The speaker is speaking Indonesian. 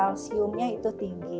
kondisi kalsiumnya itu tinggi